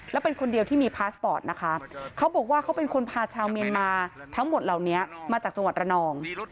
แล้วเป็นคนเดียวที่มีพาสปอร์ตนะคะเขาบอกว่าเขาเป็นคนพาชาวเมียนมาทั้งหมดเหล่านี้มาจากจังหวัดระนอง